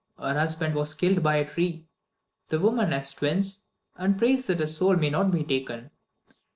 Her husband was killed by a tree; the woman has twins, and prays that her soul may not be taken.